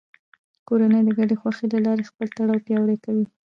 کورنۍ د ګډې خوښۍ له لارې خپل تړاو پیاوړی کوي